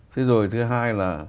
thế rồi thứ hai là